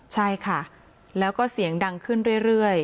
ใช่ค่ะแล้วก็เสียงดังขึ้นเรื่อย